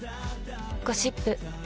「ゴシップ」